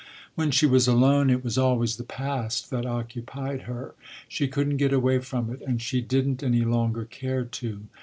When she was alone, it was always the past that occupied her. She couldn’t get away from it, and she didn’t any longer care to.